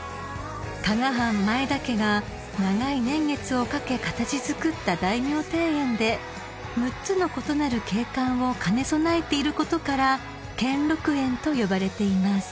［加賀藩前田家が長い年月をかけ形作った大名庭園で６つの異なる景観を兼ね備えていることから兼六園と呼ばれています］